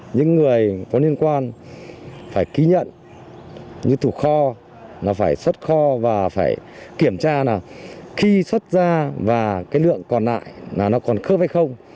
những người có liên quan phải ký nhận như thủ kho là phải xuất kho và phải kiểm tra là khi xuất ra và cái lượng còn lại là nó còn khớp hay không